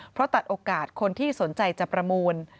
เพราะตัดโอกาสคนที่สนใจจะประมูล